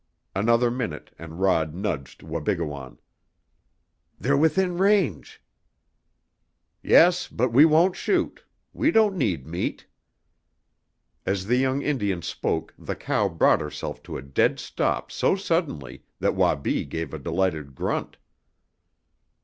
Another minute and Rod nudged Wabigoon. "They're within range!" "Yes, but we won't shoot. We don't need meat." As the young Indian spoke the cow brought herself to a dead stop so suddenly that Wabi gave a delighted grunt.